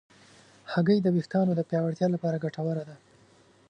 هګۍ د ویښتانو د پیاوړتیا لپاره ګټوره ده.